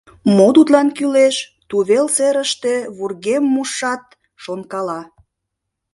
Мо тудлан кӱлеш? — тувел серыште вургем мушшат шонкала.